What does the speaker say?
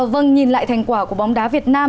vâng nhìn lại thành quả của bóng đá việt nam